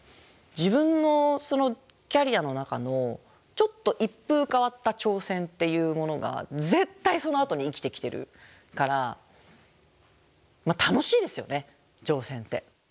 自分のキャリアの中のちょっと一風変わった挑戦っていうものが絶対そのあとに生きてきてるから楽しいですよね挑戦って。